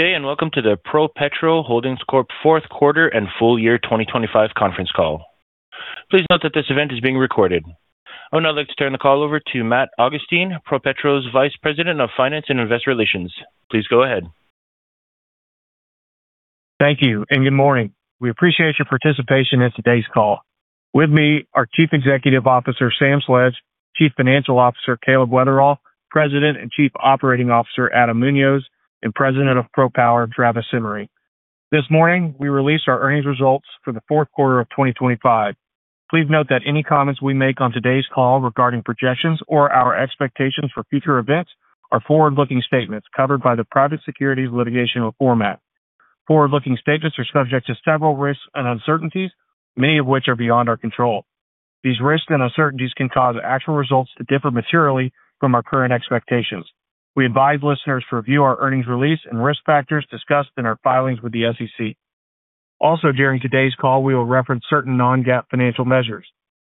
Good day, and welcome to the ProPetro Holding Corp Fourth Quarter and Full Year 2025 conference call. Please note that this event is being recorded. I would now like to turn the call over to Matt Augustine, ProPetro's Vice President of Finance and Investor Relations. Please go ahead. Thank you and good morning. We appreciate your participation in today's call. With me, our Chief Executive Officer, Sam Sledge, Chief Financial Officer, Caleb Weatherl, President and Chief Operating Officer, Adam Muñoz, and President of PROPWR, Travis Simmering. This morning, we released our earnings results for the fourth quarter of 2025. Please note that any comments we make on today's call regarding projections or our expectations for future events are forward-looking statements covered by the Private Securities Litigation Reform Act. Forward-looking statements are subject to several risks and uncertainties, many of which are beyond our control. These risks and uncertainties can cause actual results to differ materially from our current expectations. We advise listeners to review our earnings release and risk factors discussed in our filings with the SEC. Also, during today's call, we will reference certain non-GAAP financial measures.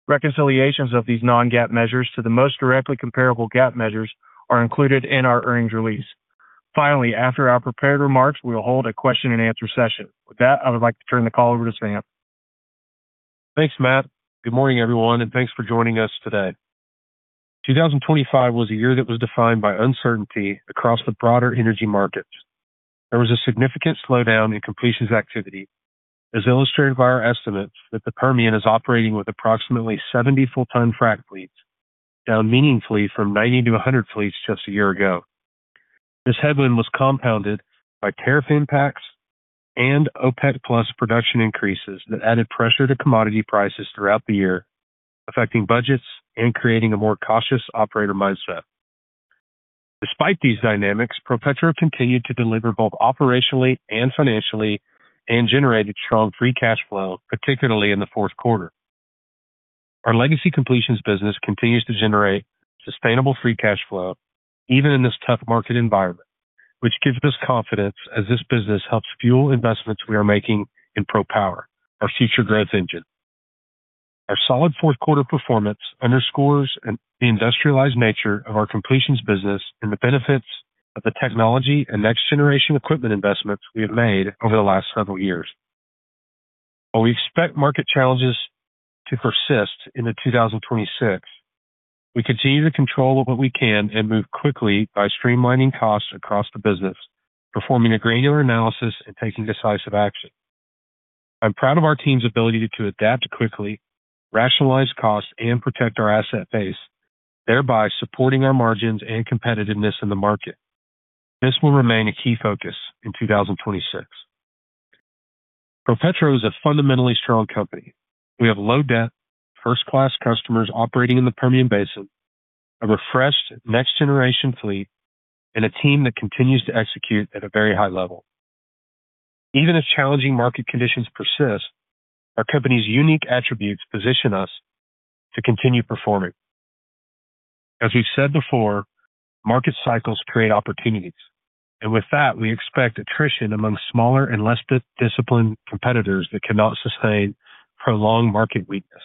Reconciliations of these non-GAAP measures to the most directly comparable GAAP measures are included in our earnings release. Finally, after our prepared remarks, we will hold a question-and-answer session. With that, I would like to turn the call over to Sam. Thanks, Matt. Good morning, everyone, and thanks for joining us today. 2025 was a year that was defined by uncertainty across the broader energy markets. There was a significant slowdown in completions activity, as illustrated by our estimates that the Permian is operating with approximately 70 full-time frac fleets, down meaningfully from 90-100 fleets just a year ago. This headwind was compounded by tariff impacts and OPEC+ production increases that added pressure to commodity prices throughout the year, affecting budgets and creating a more cautious operator mindset. Despite these dynamics, ProPetro continued to deliver both operationally and financially and generated strong free cash flow, particularly in the fourth quarter. Our legacy completions business continues to generate sustainable free cash flow, even in this tough market environment, which gives us confidence as this business helps fuel investments we are making in PROPWR, our future growth engine. Our solid fourth quarter performance underscores the industrialized nature of our completions business and the benefits of the technology and next-generation equipment investments we have made over the last several years. While we expect market challenges to persist into 2026, we continue to control what we can and move quickly by streamlining costs across the business, performing a granular analysis, and taking decisive action. I'm proud of our team's ability to adapt quickly, rationalize costs, and protect our asset base, thereby supporting our margins and competitiveness in the market. This will remain a key focus in 2026. ProPetro is a fundamentally strong company. We have low debt, first-class customers operating in the Permian Basin, a refreshed next-generation fleet, and a team that continues to execute at a very high level. Even as challenging market conditions persist, our company's unique attributes position us to continue performing. As we've said before, market cycles create opportunities, and with that, we expect attrition among smaller and less disciplined competitors that cannot sustain prolonged market weakness.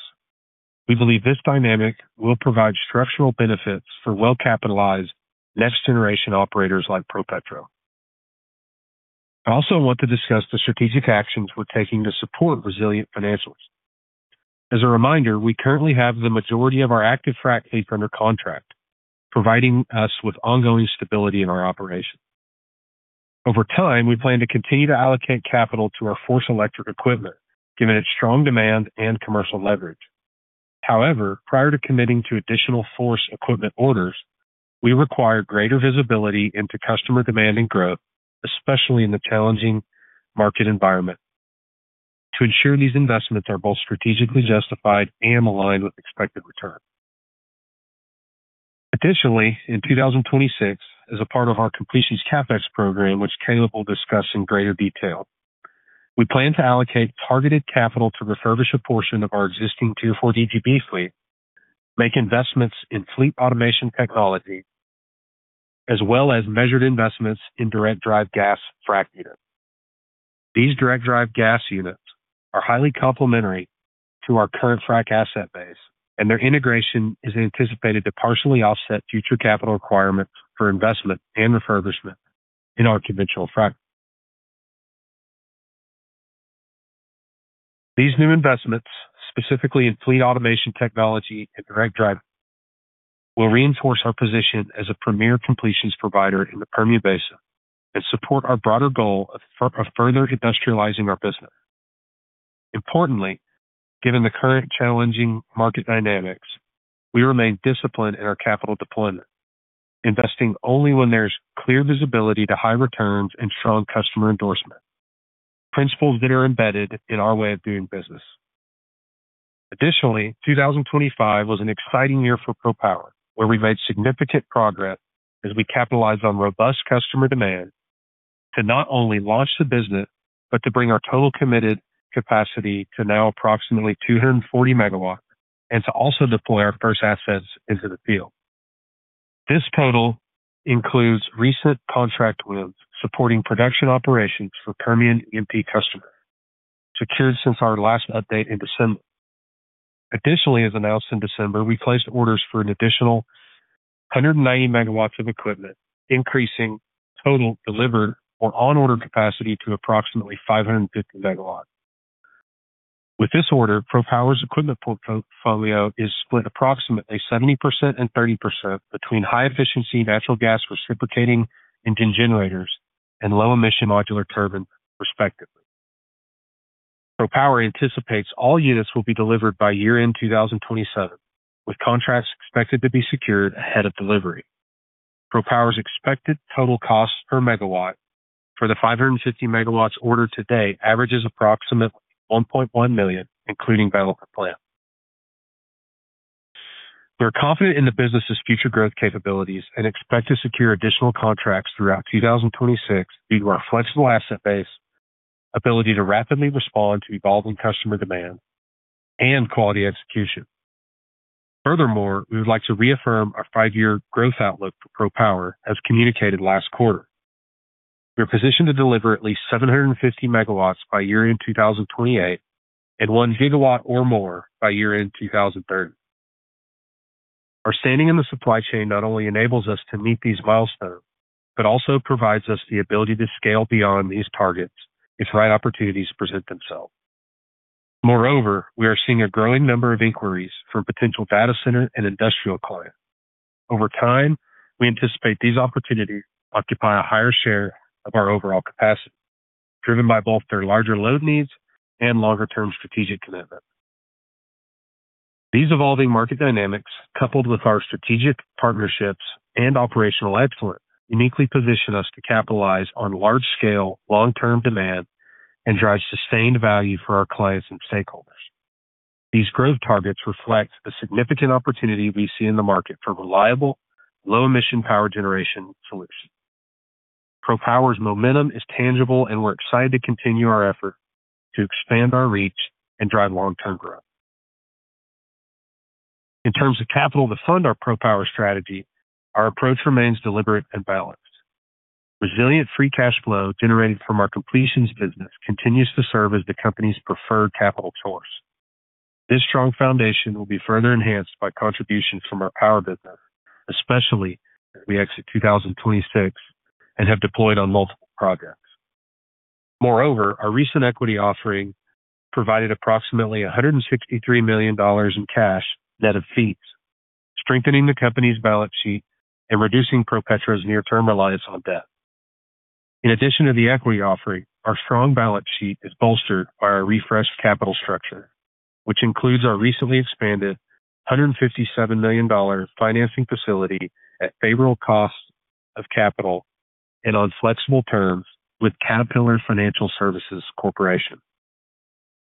We believe this dynamic will provide structural benefits for well-capitalized next-generation operators like ProPetro. I also want to discuss the strategic actions we're taking to support resilient financials. As a reminder, we currently have the majority of our active frac fleet under contract, providing us with ongoing stability in our operations. Over time, we plan to continue to allocate capital to our FORCE electric fleet, given its strong demand and commercial leverage. However, prior to committing to additional FORCE equipment orders, we require greater visibility into customer demand and growth, especially in the challenging market environment, to ensure these investments are both strategically justified and aligned with expected return. Additionally, in 2026, as a part of our completions CapEx program, which Caleb will discuss in greater detail, we plan to allocate targeted capital to refurbish a portion of our existing Tier 4 DGB fleet, make investments in fleet automation technology, as well as measured investments in Direct Drive Gas Frac units. These Direct Drive Gas Frac units are highly complementary to our current frac asset base, and their integration is anticipated to partially offset future capital requirements for investment and refurbishment in our conventional frac. These new investments, specifically in Fleet Automation Technology and direct drive, will reinforce our position as a premier completions provider in the Permian Basin and support our broader goal of further industrializing our business. Importantly, given the current challenging market dynamics, we remain disciplined in our capital deployment, investing only when there's clear visibility to high returns and strong customer endorsement, principles that are embedded in our way of doing business. Additionally, 2025 was an exciting year for PROPWR, where we made significant progress as we capitalized on robust customer demand to not only launch the business, but to bring our total committed capacity to now approximately 240 MW and to also deploy our first assets into the field. This total includes recent contract wins, supporting production operations for Permian E&P customer, secured since our last update in December. Additionally, as announced in December, we placed orders for an additional 190 MW of equipment, increasing total delivered or on order capacity to approximately 550 MW. With this order, PROPWR's equipment portfolio is split approximately 70% and 30% between high-efficiency natural gas reciprocating engine generators and low-emission modular turbine, respectively. PROPWR anticipates all units will be delivered by year-end 2027, with contracts expected to be secured ahead of delivery. PROPWR's expected total cost per MW for the 550 MW ordered today averages approximately $1.1 million, including balance of plant. We're confident in the business's future growth capabilities and expect to secure additional contracts throughout 2026 due to our flexible asset base, ability to rapidly respond to evolving customer demands, and quality execution. Furthermore, we would like to reaffirm our five-year growth outlook for PROPWR, as communicated last quarter. We are positioned to deliver at least 750 MW by year-end 2028 and 1 GW or more by year-end 2030. Our standing in the supply chain not only enables us to meet these milestones, but also provides us the ability to scale beyond these targets if the right opportunities present themselves. Moreover, we are seeing a growing number of inquiries from potential data center and industrial clients. Over time, we anticipate these opportunities occupy a higher share of our overall capacity, driven by both their larger load needs and longer-term strategic commitments. These evolving market dynamics, coupled with our strategic partnerships and operational excellence, uniquely position us to capitalize on large-scale, long-term demand and drive sustained value for our clients and stakeholders. These growth targets reflect the significant opportunity we see in the market for reliable, low-emission power generation solutions. PROPWR's momentum is tangible, and we're excited to continue our effort to expand our reach and drive long-term growth. In terms of capital to fund our PROPWR strategy, our approach remains deliberate and balanced. Resilient free cash flow generated from our completions business continues to serve as the company's preferred capital source. This strong foundation will be further enhanced by contributions from our power business, especially as we exit 2026 and have deployed on multiple projects. Moreover, our recent equity offering provided approximately $163 million in cash, net of fees, strengthening the company's balance sheet and reducing ProPetro's near-term reliance on debt. In addition to the equity offering, our strong balance sheet is bolstered by our refreshed capital structure, which includes our recently expanded $157 million financing facility at favorable costs of capital and on flexible terms with Caterpillar Financial Services Corporation.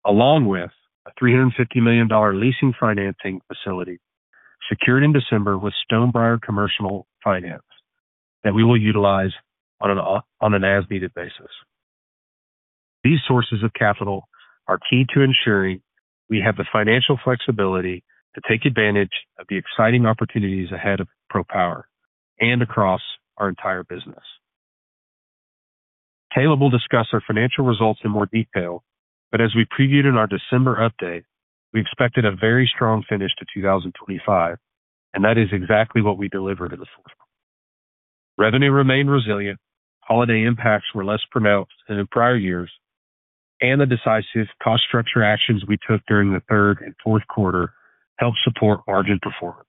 Along with a $350 million leasing financing facility secured in December with Stonebriar Commercial Finance that we will utilize on an as-needed basis. These sources of capital are key to ensuring we have the financial flexibility to take advantage of the exciting opportunities ahead of PROPWR and across our entire business. Caleb will discuss our financial results in more detail, but as we previewed in our December update, we expected a very strong finish to 2025, and that is exactly what we delivered to this quarter. Revenue remained resilient, holiday impacts were less pronounced than in prior years, and the decisive cost structure actions we took during the third and fourth quarter helped support margin performance.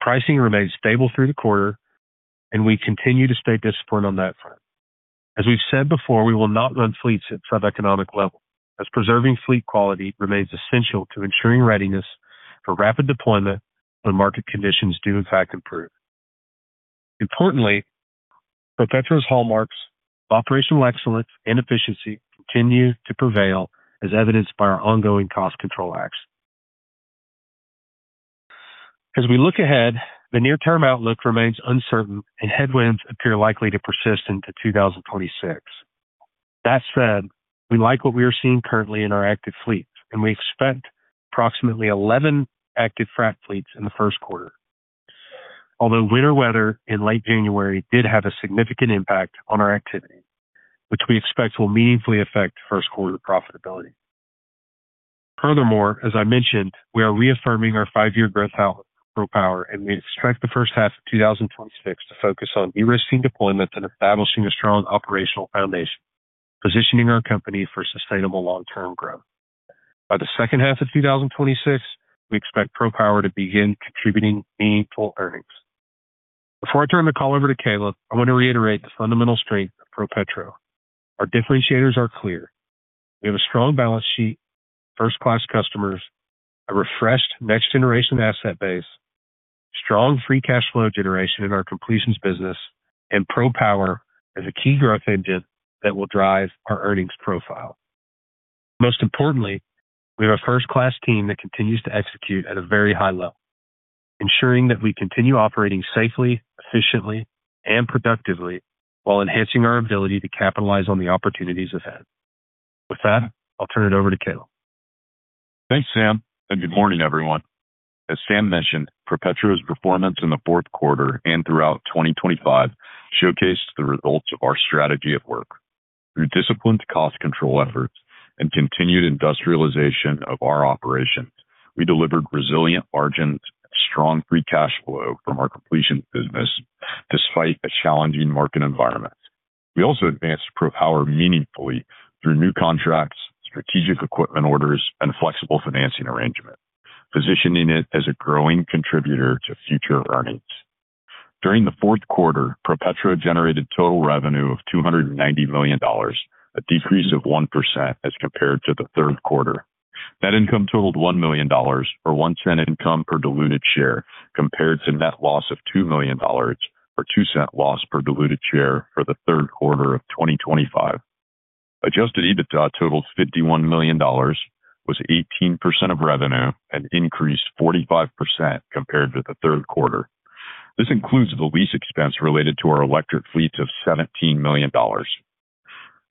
Pricing remained stable through the quarter, and we continue to stay disciplined on that front. As we've said before, we will not run fleets at sub-economic levels, as preserving fleet quality remains essential to ensuring readiness for rapid deployment when market conditions do in fact improve. Importantly, ProPetro's hallmarks of operational excellence and efficiency continue to prevail, as evidenced by our ongoing cost control actions. As we look ahead, the near-term outlook remains uncertain, and headwinds appear likely to persist into 2026. That said, we like what we are seeing currently in our active fleets, and we expect approximately 11 active frac fleets in the first quarter. Although winter weather in late January did have a significant impact on our activity, which we expect will meaningfully affect first quarter profitability. Furthermore, as I mentioned, we are reaffirming our five-year growth outlook for ProPWR, and we expect the first half of 2026 to focus on de-risking deployments and establishing a strong operational foundation, positioning our company for sustainable long-term growth. By the second half of 2026, we expect ProPWR to begin contributing meaningful earnings. Before I turn the call over to Caleb, I want to reiterate the fundamental strength of ProPetro. Our differentiators are clear. We have a strong balance sheet, first-class customers, a refreshed next-generation asset base, strong free cash flow generation in our completions business, and ProPWR is a key growth engine that will drive our earnings profile. Most importantly, we have a first-class team that continues to execute at a very high level, ensuring that we continue operating safely, efficiently, and productively while enhancing our ability to capitalize on the opportunities ahead. With that, I'll turn it over to Caleb. Thanks, Sam, and good morning, everyone. As Sam mentioned, ProPetro's performance in the fourth quarter and throughout 2025 showcased the results of our strategy at work. Through disciplined cost control efforts and continued industrialization of our operations, we delivered resilient margins and strong free cash flow from our completion business despite a challenging market environment. We also advanced PROPWR meaningfully through new contracts, strategic equipment orders, and flexible financing arrangements, positioning it as a growing contributor to future earnings. During the fourth quarter, ProPetro generated total revenue of $290 million, a decrease of 1% as compared to the third quarter. Net income totaled $1 million, or $0.01 income per diluted share, compared to net loss of $2 million, or $0.02 loss per diluted share for the third quarter of 2025. Adjusted EBITDA totaled $51 million, was 18% of revenue, and increased 45% compared to the third quarter. This includes the lease expense related to our electric fleet of $17 million.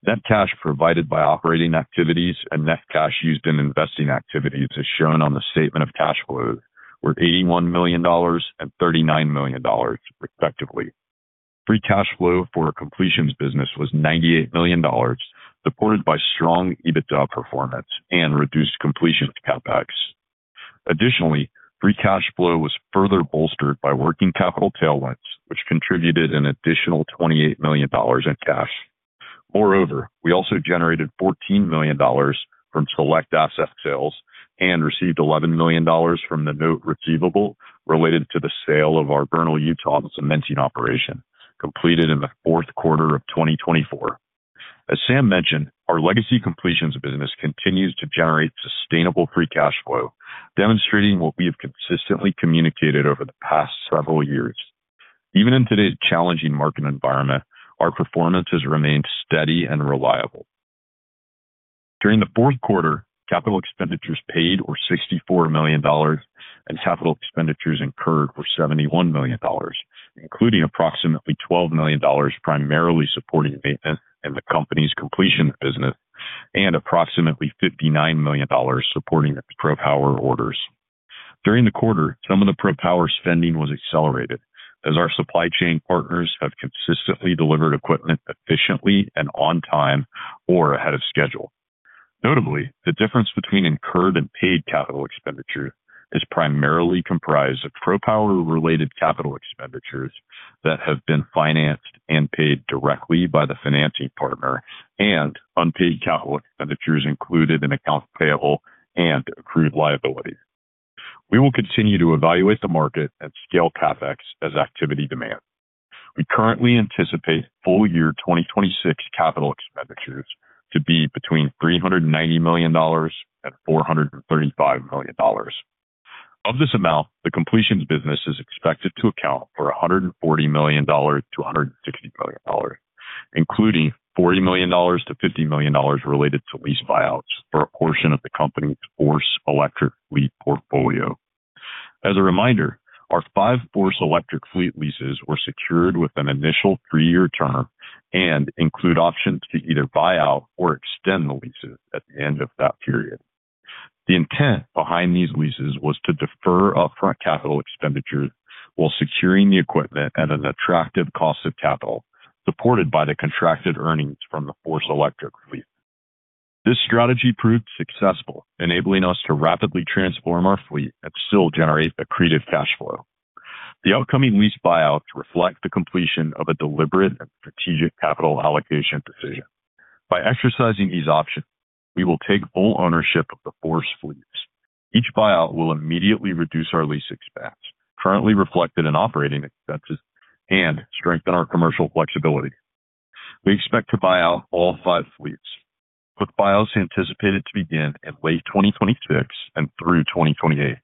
Net cash provided by operating activities and net cash used in investing activities, as shown on the statement of cash flows, were $81 million and $39 million respectively. Free cash flow for our completions business was $98 million, supported by strong EBITDA performance and reduced completion CapEx. Additionally, free cash flow was further bolstered by working capital tailwinds, which contributed an additional $28 million in cash. Moreover, we also generated $14 million from select asset sales and received $11 million from the note receivable related to the sale of our Vernal, Utah, cementing operation, completed in the fourth quarter of 2024. As Sam mentioned, our legacy completions business continues to generate sustainable free cash flow, demonstrating what we have consistently communicated over the past several years. Even in today's challenging market environment, our performance has remained steady and reliable. During the fourth quarter, capital expenditures paid were $64 million, and capital expenditures incurred were $71 million, including approximately $12 million primarily supporting maintenance in the company's completion business and approximately $59 million supporting the PROPWR orders. During the quarter, some of the PROPWR spending was accelerated as our supply chain partners have consistently delivered equipment efficiently and on time or ahead of schedule. Notably, the difference between incurred and paid capital expenditures is primarily comprised of PROPWR-related capital expenditures that have been financed and paid directly by the financing partner and unpaid capital expenditures included in accounts payable and accrued liability. We will continue to evaluate the market and scale CapEx as activity demands. We currently anticipate full year 2026 capital expenditures to be between $390 million and $435 million. Of this amount, the completions business is expected to account for $140 million to $160 million, including $40 million to $50 million related to lease buyouts for a portion of the company's FORCE electric fleet portfolio. As a reminder, our five FORCE electric fleet leases were secured with an initial three-year term and include options to either buy out or extend the leases at the end of that period. The intent behind these leases was to defer upfront capital expenditures while securing the equipment at an attractive cost of capital, supported by the contracted earnings from the FORCE electric fleet. This strategy proved successful, enabling us to rapidly transform our fleet and still generate accretive cash flow. The upcoming lease buyouts reflect the completion of a deliberate and strategic capital allocation decision. By exercising these options, we will take full ownership of the FORCE fleets. Each buyout will immediately reduce our lease expense, currently reflected in operating expenses, and strengthen our commercial flexibility. We expect to buy out all five fleets, with buyouts anticipated to begin in late 2026 and through 2028.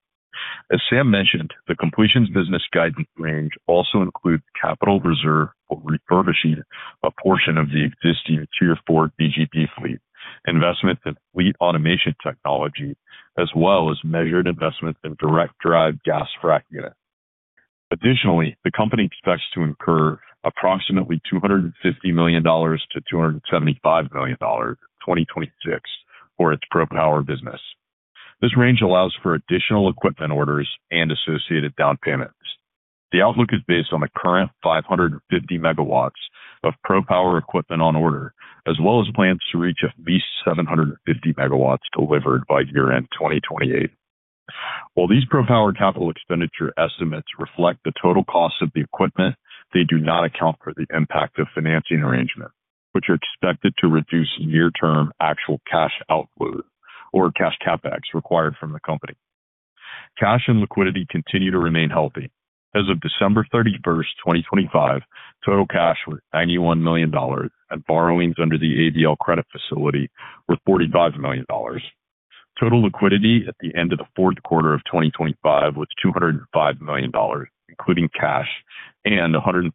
As Sam mentioned, the completions business guidance range also includes capital reserve for refurbishing a portion of the existing Tier 4 DGB fleet, investment in Fleet Automation Technology, as well as measured investment in Direct Drive Gas Frac units. Additionally, the company expects to incur approximately $250 million-$275 million in 2026 for its PROPWR business. This range allows for additional equipment orders and associated down payments. The outlook is based on the current 550 MW of PROPWR equipment on order, as well as plans to reach at least 750 MW delivered by year-end 2028. While these PROPWR capital expenditure estimates reflect the total cost of the equipment, they do not account for the impact of financing arrangements, which are expected to reduce near-term actual cash outflows or cash CapEx required from the company. Cash and liquidity continue to remain healthy. As of December 31, 2025, total cash was $91 million, and borrowings under the ABL credit facility were $45 million. Total liquidity at the end of the fourth quarter of 2025 was $205 million, including cash and $114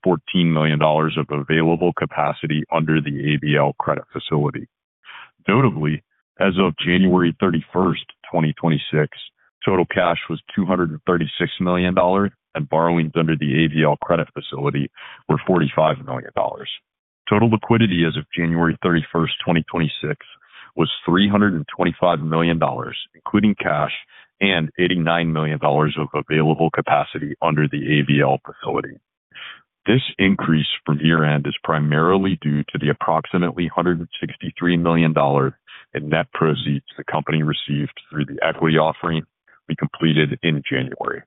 million of available capacity under the ABL Credit Facility. Notably, as of January 31, 2026, total cash was $236 million, and borrowings under the ABL Credit Facility were $45 million. Total liquidity as of January 31, 2026, was $325 million, including cash and $89 million of available capacity under the ABL Credit Facility. This increase from year-end is primarily due to the approximately $163 million in net proceeds the company received through the equity offering we completed in January.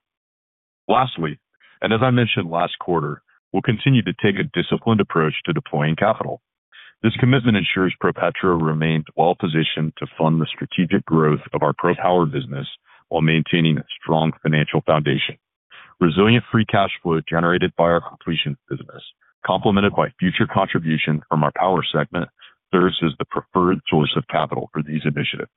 Lastly, and as I mentioned last quarter, we'll continue to take a disciplined approach to deploying capital. This commitment ensures ProPetro remains well-positioned to fund the strategic growth of our PROPWR business while maintaining a strong financial foundation. Resilient free cash flow generated by our completion business, complemented by future contribution from our power segment, serves as the preferred source of capital for these initiatives.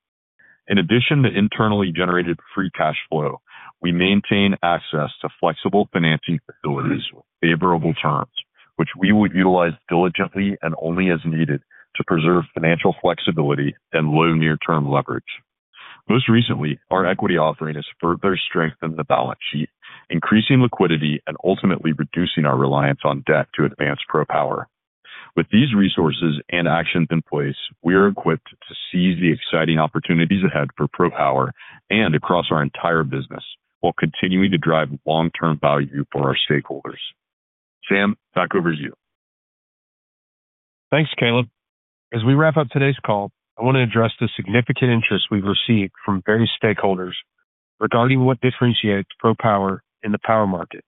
In addition to internally generated free cash flow, we maintain access to flexible financing facilities with favorable terms, which we would utilize diligently and only as needed to preserve financial flexibility and low near-term leverage. Most recently, our equity offering has further strengthened the balance sheet, increasing liquidity and ultimately reducing our reliance on debt to advance PROPWR. With these resources and actions in place, we are equipped to seize the exciting opportunities ahead for PROPWR and across our entire business, while continuing to drive long-term value for our stakeholders. Sam, back over to you. Thanks, Caleb. As we wrap up today's call, I want to address the significant interest we've received from various stakeholders regarding what differentiates PROPWR in the power market,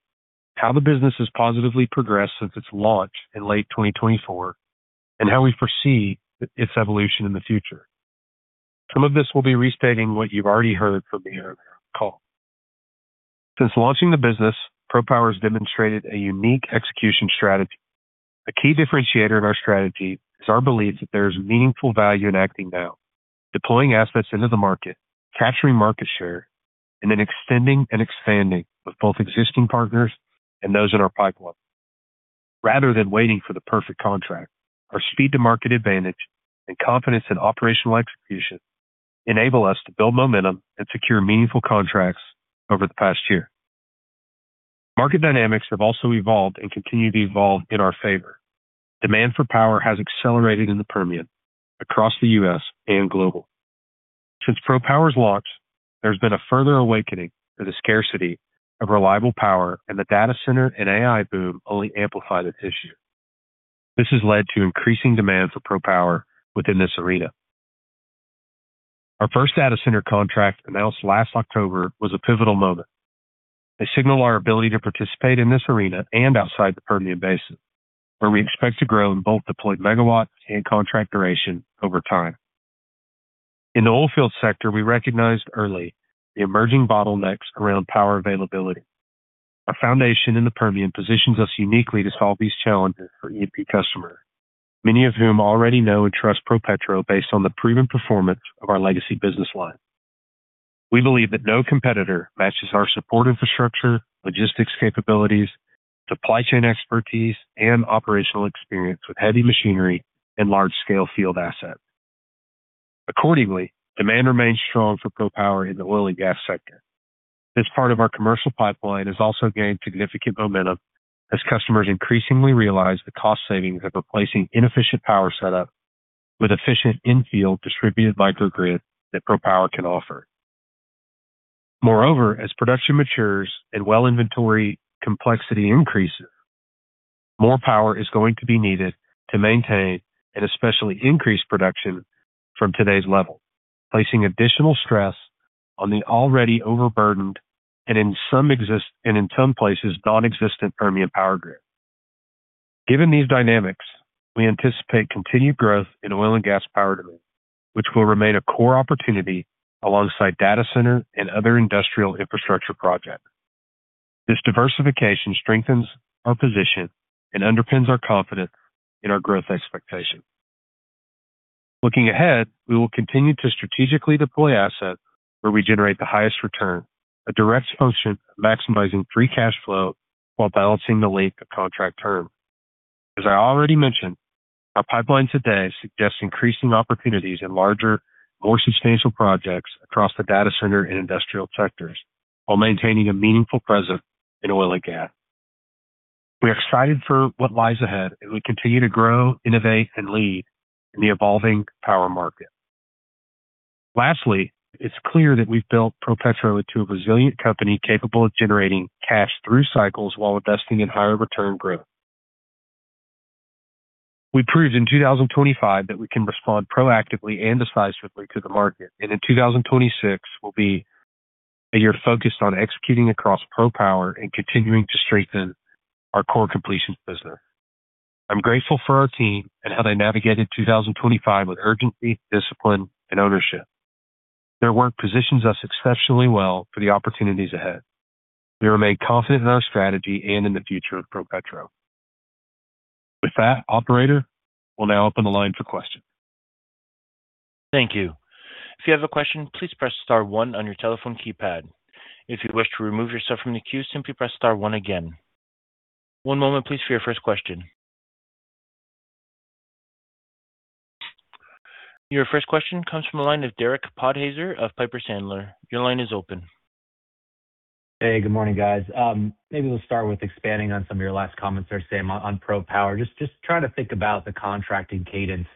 how the business has positively progressed since its launch in late 2024, and how we foresee its evolution in the future. Some of this will be restating what you've already heard from me earlier on the call. Since launching the business, PROPWR has demonstrated a unique execution strategy. A key differentiator in our strategy is our belief that there is meaningful value in acting now, deploying assets into the market, capturing market share, and then extending and expanding with both existing partners and those in our pipeline. Rather than waiting for the perfect contract, our speed-to-market advantage and confidence in operational execution enable us to build momentum and secure meaningful contracts over the past year. Market dynamics have also evolved and continue to evolve in our favor. Demand for power has accelerated in the Permian, across the U.S., and global. Since ProPWR's launch, there's been a further awakening to the scarcity of reliable power, and the data center and AI boom only amplify the issue. This has led to increasing demand for ProPWR within this arena. Our first data center contract, announced last October, was a pivotal moment. They signal our ability to participate in this arena and outside the Permian Basin, where we expect to grow in both deployed megawatts and contract duration over time. In the oilfield sector, we recognized early the emerging bottlenecks around power availability. Our foundation in the Permian positions us uniquely to solve these challenges for E&P customers, many of whom already know and trust ProPetro based on the proven performance of our legacy business lines. We believe that no competitor matches our support infrastructure, logistics capabilities, supply chain expertise, and operational experience with heavy machinery and large-scale field assets. Accordingly, demand remains strong for PROPWR in the oil and gas sector. This part of our commercial pipeline has also gained significant momentum as customers increasingly realize the cost savings of replacing inefficient power setup with efficient in-field distributed microgrid that PROPWR can offer. Moreover, as production matures and well inventory complexity increases, more power is going to be needed to maintain and especially increase production from today's level, placing additional stress on the already overburdened and in some places, non-existent Permian power grid. Given these dynamics, we anticipate continued growth in oil and gas power demand, which will remain a core opportunity alongside data center and other industrial infrastructure projects. This diversification strengthens our position and underpins our confidence in our growth expectations. Looking ahead, we will continue to strategically deploy assets where we generate the highest return, a direct function of maximizing free cash flow while balancing the length of contract term. As I already mentioned, our pipeline today suggests increasing opportunities in larger, more substantial projects across the data center and industrial sectors while maintaining a meaningful presence in oil and gas. We are excited for what lies ahead as we continue to grow, innovate, and lead in the evolving power market. Lastly, it's clear that we've built ProPetro into a resilient company capable of generating cash through cycles while investing in higher return growth. We proved in 2025 that we can respond proactively and decisively to the market, and in 2026 will be a year focused on executing across PROPWR and continuing to strengthen our core completion business. I'm grateful for our team and how they navigated 2025 with urgency, discipline, and ownership. Their work positions us exceptionally well for the opportunities ahead. We remain confident in our strategy and in the future of ProPetro. With that, operator, we'll now open the line for questions. Thank you. If you have a question, please press star one on your telephone keypad. If you wish to remove yourself from the queue, simply press star one again. One moment please, for your first question. Your first question comes from the line of Derek Podhaizer of Piper Sandler. Your line is open. Hey, good morning, guys. Maybe we'll start with expanding on some of your last comments there, Sam, on PROPWR. Just trying to think about the contracting cadence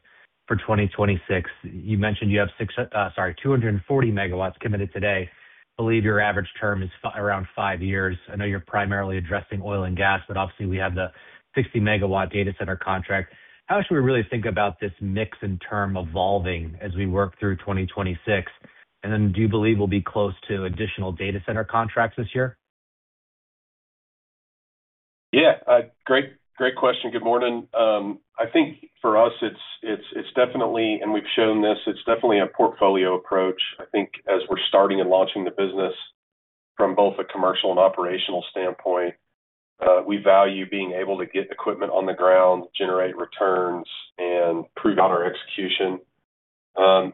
for 2026. You mentioned you have 240 MW committed today. I believe your average term is around five years. I know you're primarily addressing oil and gas, but obviously, we have the 60 MW data center contract. How should we really think about this mix and term evolving as we work through 2026? And then do you believe we'll be close to additional data center contracts this year? Yeah, great, great question. Good morning. I think for us, it's, it's, it's definitely, and we've shown this, it's definitely a portfolio approach. I think as we're starting and launching the business from both a commercial and operational standpoint, we value being able to get equipment on the ground, generate returns, and prove out our execution.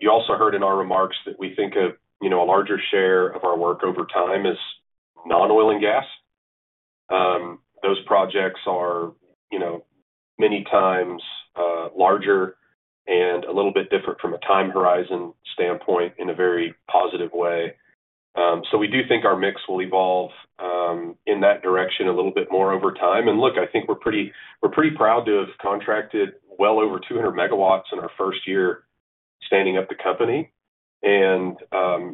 You also heard in our remarks that we think of, you know, a larger share of our work over time as non-oil and gas. Those projects are, you know, many times, larger and a little bit different from a time horizon standpoint in a very positive way. So we do think our mix will evolve, in that direction a little bit more over time. And look, I think we're pretty, we're pretty proud to have contracted well over 200 MW in our first year standing up the company. And,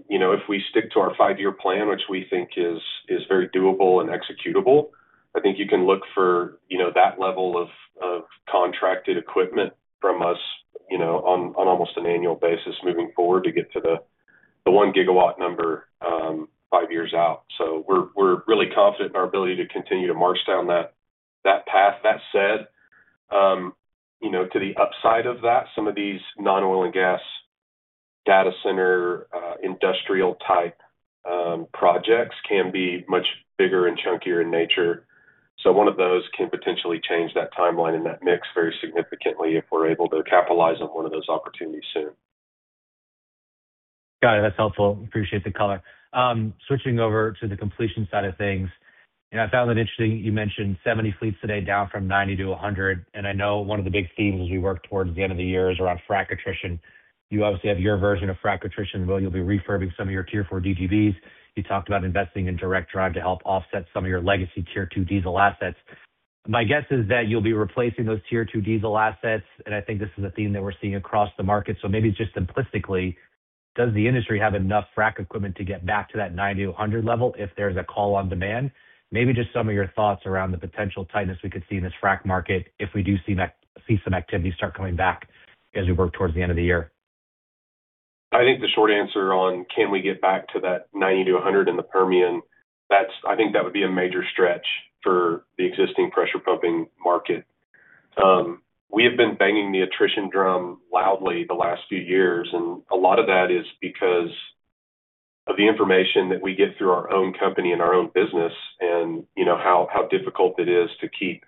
you know, if we stick to our five year plan, which we think is, is very doable and executable, I think you can look for, you know, that level of, of contracted equipment from us, you know, on, on almost an annual basis moving forward to get to the, the 1 GW number, five years out. So we're, we're really confident in our ability to continue to march down that, that path. That said, you know, to the upside of that, some of these non-oil and gas data center, industrial type, projects can be much bigger and chunkier in nature. One of those can potentially change that timeline and that mix very significantly if we're able to capitalize on one of those opportunities soon. Got it. That's helpful. Appreciate the color. Switching over to the completion side of things, and I found it interesting, you mentioned 70 fleets today, down from 90-100, and I know one of the big themes as you work towards the end of the year is around frac attrition. You obviously have your version of frac attrition, where you'll be refurbing some of your Tier 4 DGBs. You talked about investing in Direct Drive to help offset some of your legacy Tier 2 diesel assets. My guess is that you'll be replacing those Tier 2 diesel assets, and I think this is a theme that we're seeing across the market. So maybe just simplistically, does the industry have enough frac equipment to get back to that 90-100 level if there's a call on demand? Maybe just some of your thoughts around the potential tightness we could see in this frac market if we do see some activity start coming back as we work towards the end of the year. I think the short answer on can we get back to that 90-100 in the Permian, that's. I think that would be a major stretch for the existing pressure pumping market. We have been banging the attrition drum loudly the last few years, and a lot of that is because of the information that we get through our own company and our own business, and you know, how, how difficult it is to keep,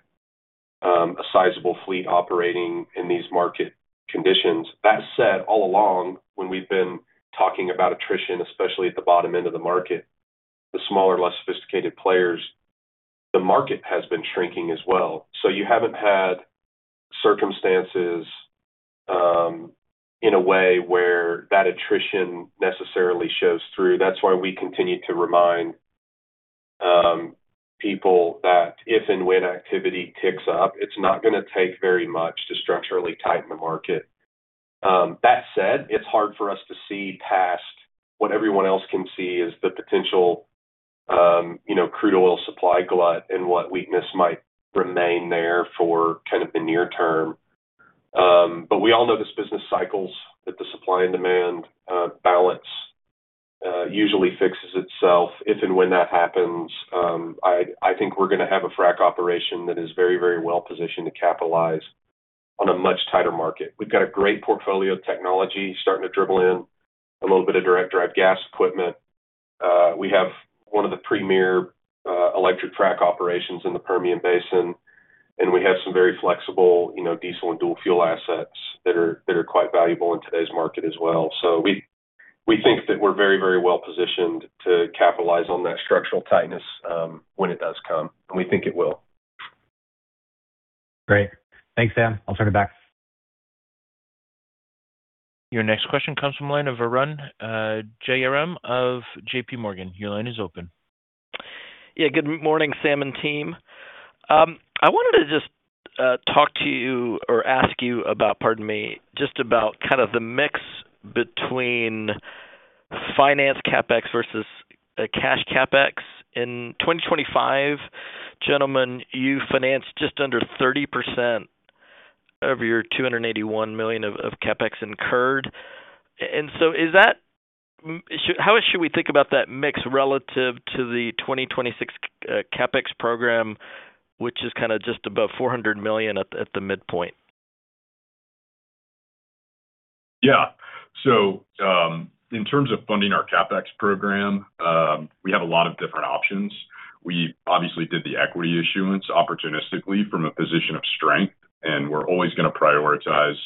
a sizable fleet operating in these market conditions. That said, all along, when we've been talking about attrition, especially at the bottom end of the market, the smaller, less sophisticated players, the market has been shrinking as well. So you haven't had circumstances, in a way where that attrition necessarily shows through. That's why we continue to remind people that if and when activity ticks up, it's not gonna take very much to structurally tighten the market. That said, it's hard for us to see past what everyone else can see is the potential, you know, crude oil supply glut and what weakness might remain there for kind of the near term. But we all know this business cycles, that the supply and demand balance usually fixes itself. If and when that happens, I think we're gonna have a frac operation that is very, very well positioned to capitalize on a much tighter market. We've got a great portfolio of technology starting to dribble in, a little bit of direct-drive gas equipment. We have one of the premier electric frac operations in the Permian Basin, and we have some very flexible, you know, diesel and dual fuel assets that are, that are quite valuable in today's market as well. So we, we think that we're very, very well positioned to capitalize on that structural tightness, when it does come, and we think it will. Great. Thanks, Sam. I'll turn it back. Your next question comes from line of Arun Jayaram of JPMorgan. Your line is open. Yeah, good morning, Sam and team. I wanted to just talk to you or ask you about, pardon me, just about kind of the mix between finance CapEx versus a cash CapEx. In 2025, gentlemen, you financed just under 30% of your $281 million of CapEx incurred. And so is that. How should we think about that mix relative to the 2026 CapEx program, which is kind of just above $400 million at the midpoint? Yeah. So, in terms of funding our CapEx program, we have a lot of different options. We obviously did the equity issuance opportunistically from a position of strength, and we're always gonna prioritize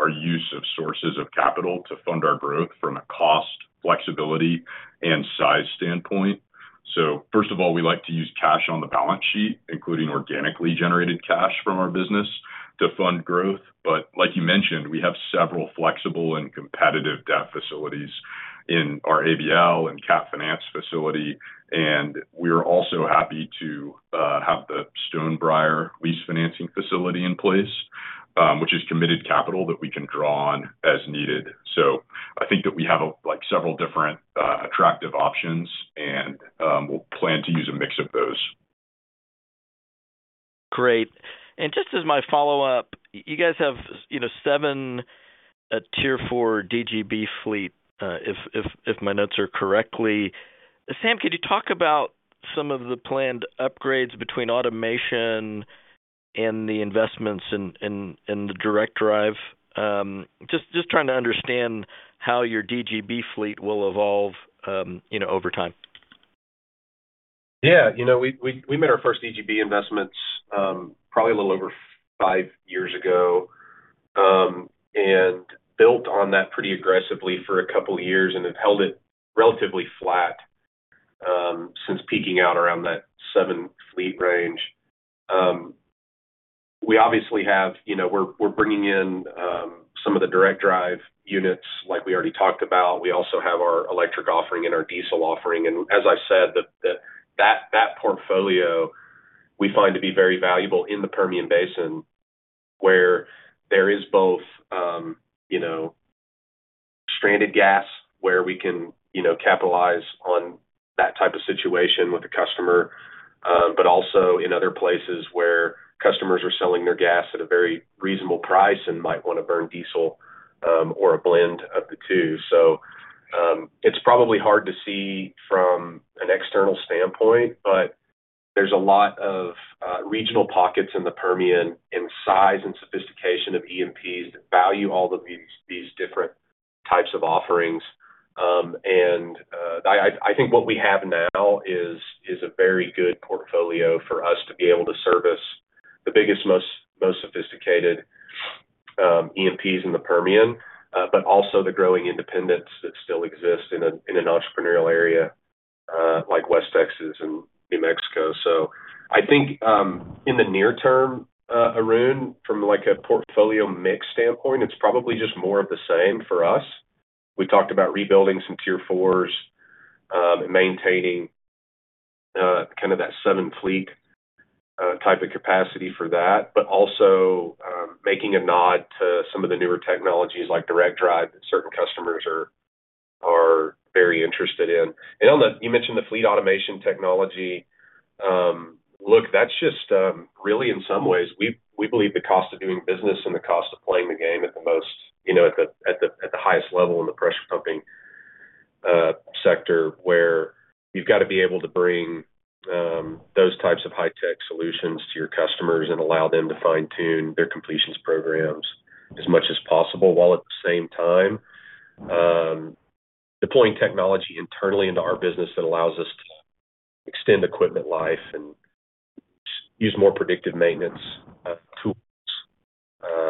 our use of sources of capital to fund our growth from a cost, flexibility, and size standpoint. So first of all, we like to use cash on the balance sheet, including organically generated cash from our business, to fund growth. But like you mentioned, we have several flexible and competitive debt facilities in our ABL and cap finance facility, and we are also happy to have the Stonebriar lease financing facility in place, which is committed capital that we can draw on as needed. So I think that we have, like, several different attractive options, and we'll plan to use a mix of those. Great. And just as my follow-up, you guys have, you know, seven Tier 4 DGB fleet, if my notes are correct. Sam, could you talk about some of the planned upgrades between automation and the investments in the direct drive? Just trying to understand how your DGB fleet will evolve, you know, over time. Yeah, you know, we made our first DGB investments, probably a little over five years ago, and built on that pretty aggressively for a couple of years and have held it relatively flat, since peaking out around that seven fleet range. We obviously have—you know, we're bringing in some of the direct drive units like we already talked about. We also have our electric offering and our diesel offering, and as I said, that portfolio we find to be very valuable in the Permian Basin, where there is both, you know, stranded gas, where we can, you know, capitalize on that type of situation with the customer, but also in other places where customers are selling their gas at a very reasonable price and might want to burn diesel, or a blend of the two. So, it's probably hard to see from an external standpoint, but there's a lot of regional pockets in the Permian in size and sophistication of E&Ps that value all of these different types of offerings. And I think what we have now is a very good portfolio for us to be able to service the biggest, most sophisticated E&Ps in the Permian, but also the growing independents that still exist in an entrepreneurial area like West Texas and New Mexico. So I think, in the near term, Arun, from like a portfolio mix standpoint, it's probably just more of the same for us. We talked about rebuilding some Tier 4s and maintaining kind of that seven-fleet type of capacity for that, but also making a nod to some of the newer technologies like Direct Drive that certain customers are very interested in. And on the. You mentioned the Fleet Automation Technology. Look, that's just really, in some ways, we believe the cost of doing business and the cost of playing the game at the most, you know, at the highest level in the pressure pumping sector, where you've got to be able to bring those types of high-tech solutions to your customers and allow them to fine-tune their completions programs as much as possible, while at the same time, deploying technology internally into our business that allows us to extend equipment life and use more predictive maintenance tools,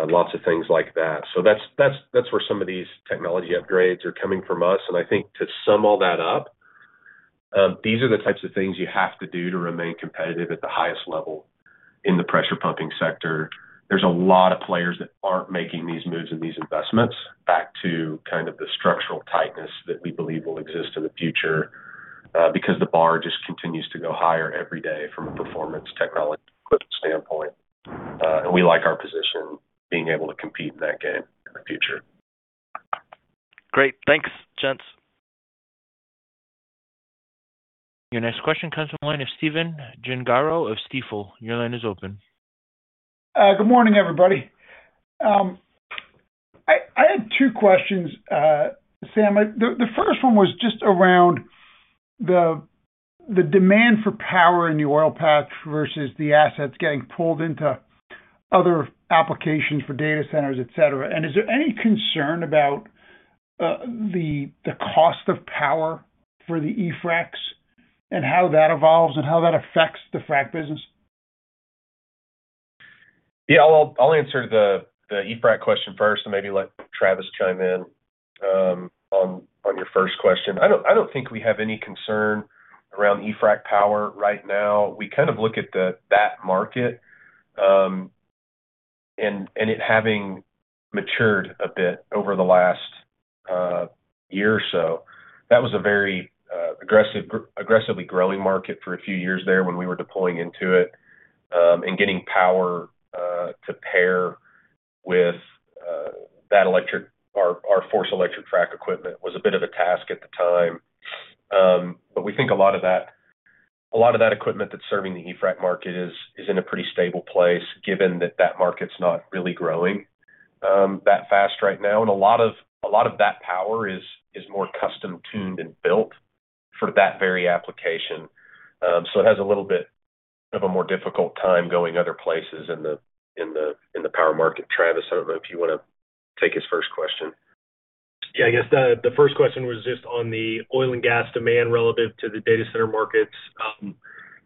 lots of things like that. So that's where some of these technology upgrades are coming from us. And I think to sum all that up, these are the types of things you have to do to remain competitive at the highest level in the pressure pumping sector. There's a lot of players that aren't making these moves and these investments back to kind of the structural tightness that we believe will exist in the future, because the bar just continues to go higher every day from a performance technology equipment standpoint, and we like our position being able to compete in that game in the future. Great. Thanks, gents. Your next question comes from the line of Stephen Gengaro of Stifel. Your line is open. Good morning, everybody. I had two questions, Sam. The first one was just around the demand for power in the oil patch versus the assets getting pulled into other applications for data centers, et cetera. And is there any concern about the cost of power for the e-fracs and how that evolves and how that affects the frac business? Yeah, I'll answer the e-frac question first and maybe let Travis chime in on your first question. I don't think we have any concern around e-frac power right now. We kind of look at that market, and it having matured a bit over the last year or so. That was a very aggressively growing market for a few years there when we were deploying into it, and getting power to pair with that electric. Our FORCE electric frac equipment was a bit of a task at the time. But we think a lot of that equipment that's serving the e-frac market is in a pretty stable place, given that that market's not really growing that fast right now. A lot of that power is more custom-tuned and built for that very application. So it has a little bit of a more difficult time going other places in the power market. Travis, I don't know if you want to take his first question. Yeah, I guess the first question was just on the oil and gas demand relative to the data center markets.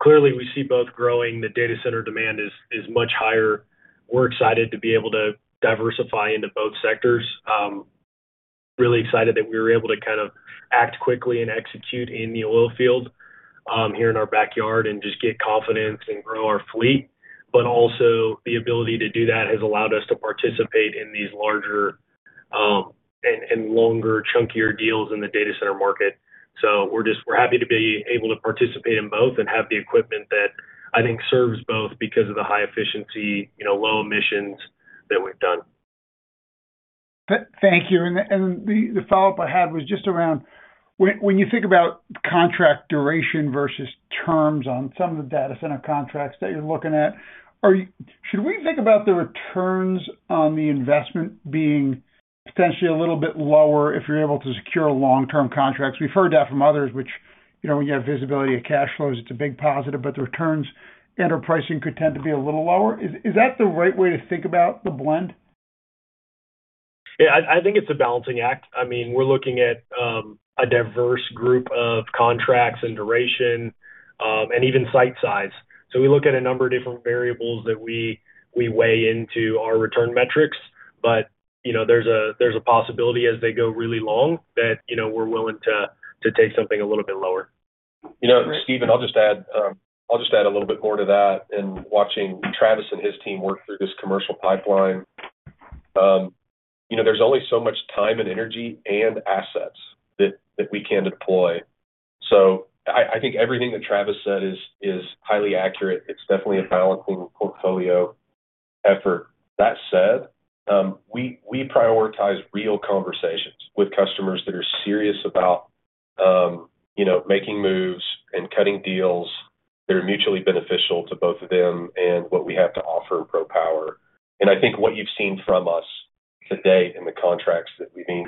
Clearly, we see both growing. The data center demand is much higher. We're excited to be able to diversify into both sectors. Really excited that we were able to kind of act quickly and execute in the oil field here in our backyard and just get confidence and grow our fleet. But also, the ability to do that has allowed us to participate in these larger and longer, chunkier deals in the data center market. So we're just, we're happy to be able to participate in both and have the equipment that I think serves both because of the high efficiency, you know, low emissions that we've done. Thank you. And the follow-up I had was just around when you think about contract duration versus terms on some of the data center contracts that you're looking at, are you should we think about the returns on the investment being potentially a little bit lower if you're able to secure long-term contracts? We've heard that from others, which, you know, when you have visibility of cash flows, it's a big positive, but the returns and/or pricing could tend to be a little lower. Is that the right way to think about the blend? Yeah, I think it's a balancing act. I mean, we're looking at a diverse group of contracts and duration, and even site size. So we look at a number of different variables that we weigh into our return metrics. But, you know, there's a possibility as they go really long that, you know, we're willing to take something a little bit lower. You know, Steven, I'll just add, I'll just add a little bit more to that. In watching Travis and his team work through this commercial pipeline, you know, there's only so much time and energy and assets that we can deploy. So I think everything that Travis said is highly accurate. It's definitely a balancing portfolio effort. That said, we prioritize real conversations with customers that are serious about, you know, making moves and cutting deals that are mutually beneficial to both of them and what we have to offer at PROPWR. And I think what you've seen from us to date in the contracts that we've made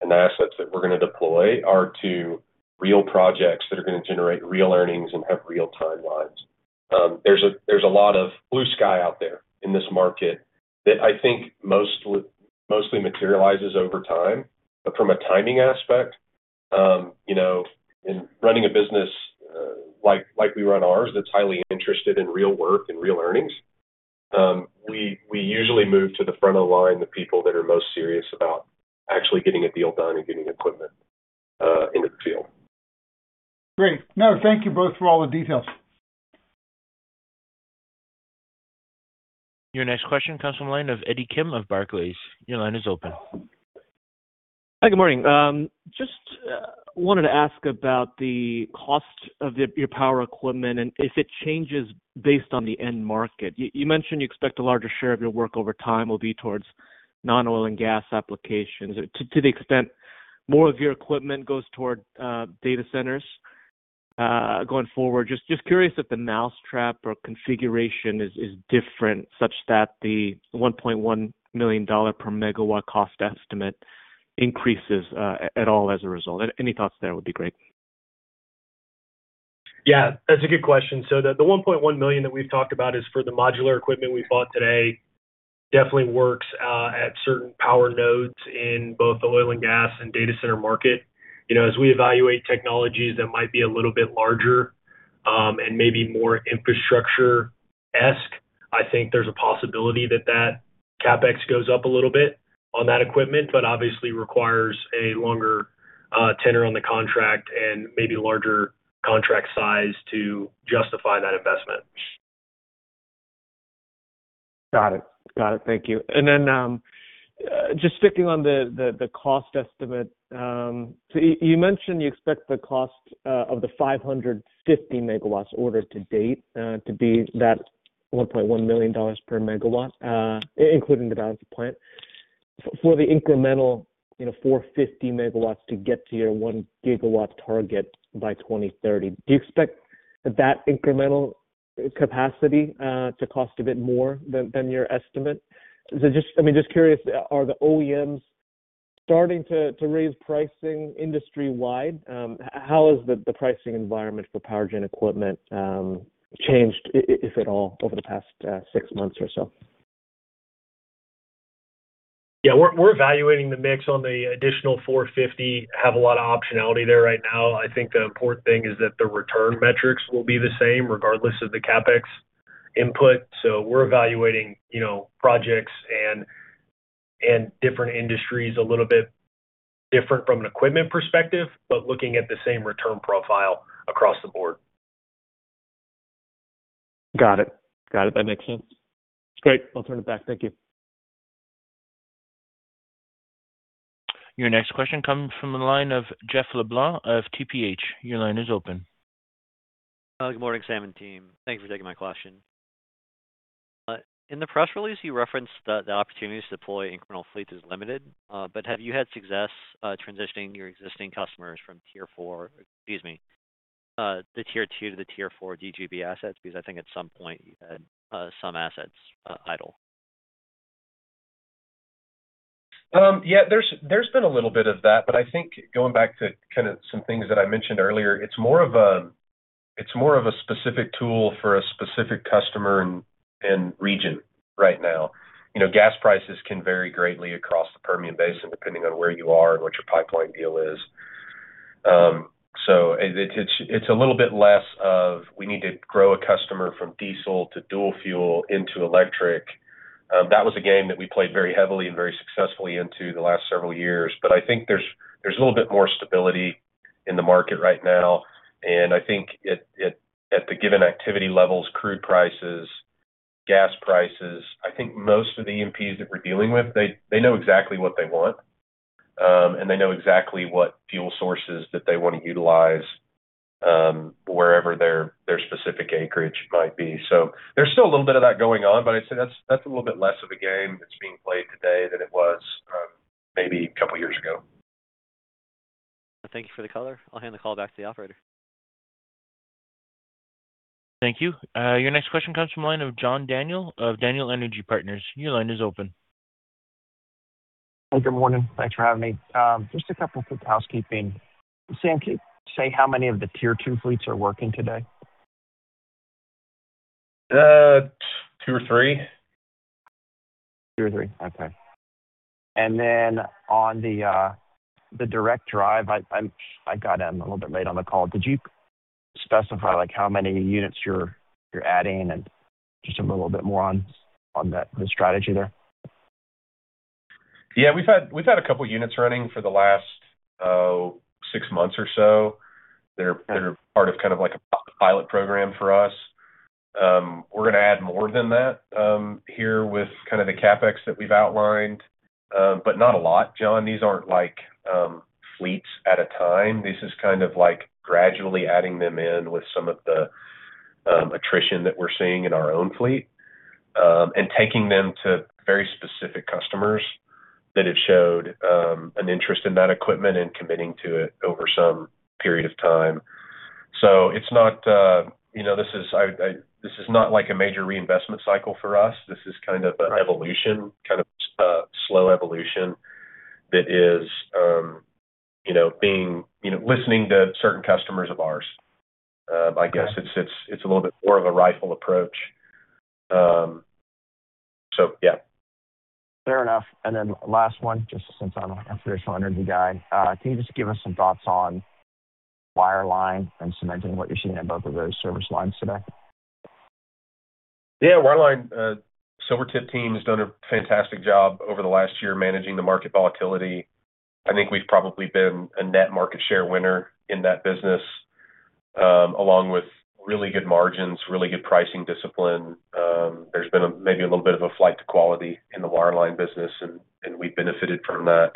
and the assets that we're going to deploy are to real projects that are going to generate real earnings and have real timelines. There's a lot of blue sky out there in this market that I think mostly materializes over time. But from a timing aspect, you know, in running a business, like we run ours, that's highly interested in real work and real earnings, we usually move to the front of the line, the people that are most serious about actually getting a deal done and getting equipment into the field. Great. No, thank you both for all the details. Your next question comes from the line of Eddie Kim of Barclays. Your line is open. Hi, good morning. Just wanted to ask about the cost of your power equipment and if it changes based on the end market. You mentioned you expect a larger share of your work over time will be towards non-oil and gas applications. To the extent more of your equipment goes toward data centers going forward, just curious if the mousetrap or configuration is different, such that the $1.1 million per megawatt cost estimate increases at all as a result? Any thoughts there would be great. Yeah, that's a good question. So the $1.1 million that we've talked about is for the modular equipment we bought today, definitely works at certain power nodes in both the oil and gas and data center market. You know, as we evaluate technologies that might be a little bit larger, and maybe more infrastructure-esque, I think there's a possibility that that CapEx goes up a little bit on that equipment, but obviously requires a longer tenure on the contract and maybe larger contract size to justify that investment. Got it. Got it. Thank you. And then, just sticking on the cost estimate, so you mentioned you expect the cost of the 550 MW ordered to date to be that $1.1 million per MW, including the balance of plant. For the incremental, you know, 450 MW to get to your 1 GW target by 2030, do you expect that incremental capacity to cost a bit more than your estimate? So just, I mean, just curious, are the OEMs starting to raise pricing industry-wide? How has the pricing environment for power gen equipment changed, if at all, over the past six months or so? Yeah, we're evaluating the mix on the additional $450, have a lot of optionality there right now. I think the important thing is that the return metrics will be the same regardless of the CapEx input. So we're evaluating, you know, projects and different industries a little bit different from an equipment perspective, but looking at the same return profile across the board. Got it. Got it. That makes sense. Great. I'll turn it back. Thank you. Your next question comes from the line of Jeff LeBlanc of TPH. Your line is open. Good morning, Sam and team. Thank you for taking my question. In the press release, you referenced that the opportunities to deploy incremental fleets is limited, but have you had success transitioning your existing customers from Tier 4... Excuse me, the Tier 2 to the Tier 4 DGB assets? Because I think at some point you had some assets idle. Yeah, there's been a little bit of that, but I think going back to kind of some things that I mentioned earlier, it's more of a specific tool for a specific customer and region right now. You know, gas prices can vary greatly across the Permian Basin, depending on where you are and what your pipeline deal is. So it's a little bit less of we need to grow a customer from diesel to dual fuel into electric. That was a game that we played very heavily and very successfully into the last several years. But I think there's a little bit more stability in the market right now, and I think it at the given activity levels, crude prices, gas prices, I think most of the E&Ps that we're dealing with, they know exactly what they want, and they know exactly what fuel sources that they want to utilize, wherever their specific acreage might be. So there's still a little bit of that going on, but I'd say that's a little bit less of a game that's being played today than it was, maybe a couple of years ago. Thank you for the color. I'll hand the call back to the operator. Thank you. Your next question comes from the line of John Daniel of Daniel Energy Partners. Your line is open. Good morning. Thanks for having me. Just a couple quick housekeeping. Sam, can you say how many of the Tier 2 fleets are working today? Two or three. Two or three. Okay. And then on the direct drive, I got in a little bit late on the call. Did you specify, like, how many units you're adding and just a little bit more on that, the strategy there? Yeah, we've had a couple units running for the last, oh, six months or so. They're part of kind of like a pilot program for us. We're going to add more than that here with kind of the CapEx that we've outlined, but not a lot, John. These aren't like fleets at a time. This is kind of like gradually adding them in with some of the attrition that we're seeing in our own fleet, and taking them to very specific customers that have showed an interest in that equipment and committing to it over some period of time. So it's not, you know, this is not like a major reinvestment cycle for us. This is kind of an evolution, kind of a slow evolution that is, you know, being, you know, listening to certain customers of ours. I guess it's a little bit more of a rifle approach. So yeah. Fair enough. And then last one, just since I'm a traditional energy guy, can you just give us some thoughts on wireline and cementing, what you're seeing in both of those service lines today? Yeah, wireline, Silvertip team has done a fantastic job over the last year, managing the market volatility. I think we've probably been a net market share winner in that business, along with really good margins, really good pricing discipline. There's been maybe a little bit of a flight to quality in the wireline business, and we've benefited from that.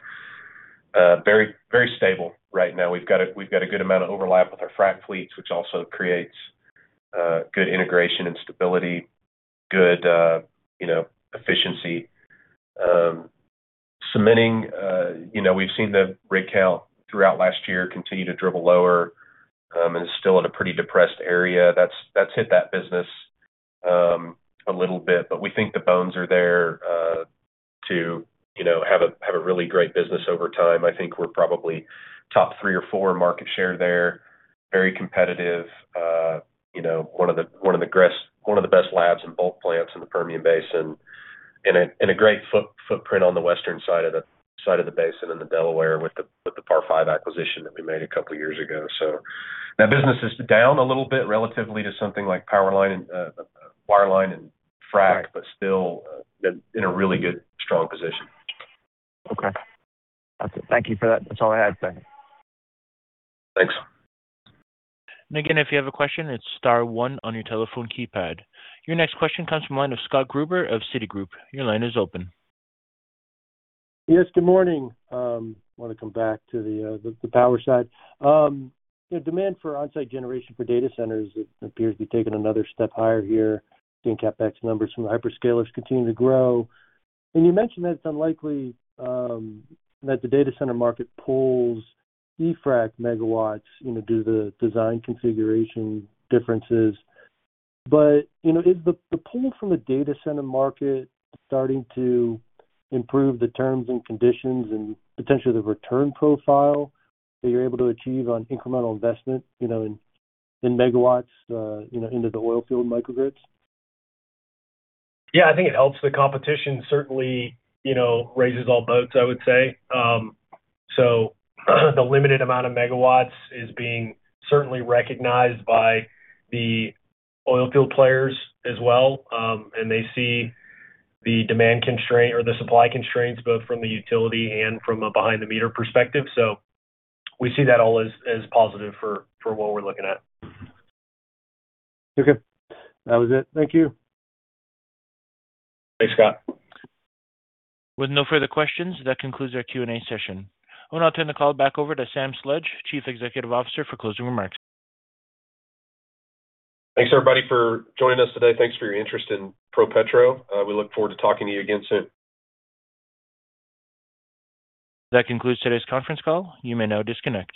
Very, very stable right now. We've got a good amount of overlap with our frac fleets, which also creates good integration and stability, good, you know, efficiency. Cementing, you know, we've seen the rig count throughout last year continue to dribble lower, and it's still in a pretty depressed area. That's hit that business a little bit, but we think the bones are there to you know have a really great business over time. I think we're probably top three or four market share there. Very competitive, you know, one of the best labs in both plants in the Permian Basin, and a great footprint on the western side of the basin in the Delaware with the Par Five acquisition that we made a couple of years ago. So that business is down a little bit relatively to something like powerline and wireline and frac, but still in a really good strong position. Okay. Thank you for that. That's all I had. Thanks. Thanks. And again, if you have a question, it's star one on your telephone keypad. Your next question comes from line of Scott Gruber of Citigroup. Your line is open. Yes, good morning. I want to come back to the power side. You know, demand for on-site generation for data centers appears to be taking another step higher here. Seeing CapEx numbers from the hyperscalers continue to grow. And you mentioned that it's unlikely that the data center market pulls eFrac megawatts, you know, due to the design configuration differences. But, you know, is the pulling from the data center market starting to improve the terms and conditions and potentially the return profile that you're able to achieve on incremental investment, you know, in megawatts, you know, into the oil field microgrids? Yeah, I think it helps the competition, certainly, you know, raises all boats, I would say. So the limited amount of megawatts is being certainly recognized by the oilfield players as well. And they see the demand constraint or the supply constraints, both from the utility and from a behind-the-meter perspective. So we see that all as, as positive for, for what we're looking at. Okay. That was it. Thank you. Thanks, Scott. With no further questions, that concludes our Q&A session. I'll now turn the call back over to Sam Sledge, Chief Executive Officer, for closing remarks. Thanks, everybody, for joining us today. Thanks for your interest in ProPetro. We look forward to talking to you again soon. That concludes today's conference call. You may now disconnect.